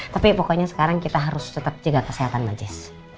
tapi pokoknya sekarang kita harus tetap jaga kesehatan majis